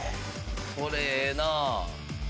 これええなあ。